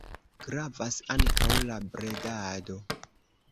Gravas ankaŭ la bredado.